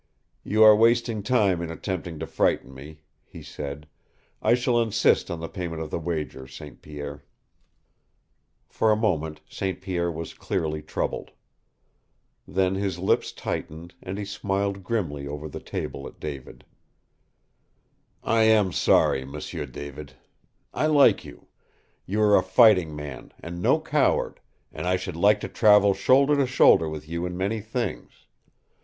"You are wasting time in attempting to frighten me," he said. "I shall insist on the payment of the wager, St Pierre." For a moment St. Pierre was clearly troubled. Then his lips tightened, and he smiled grimly over the table at David. "I am sorry, M'sieu David. I like you. You are a fighting man and no coward, and I should like to travel shoulder to shoulder with you in many things.